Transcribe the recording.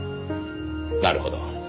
なるほど。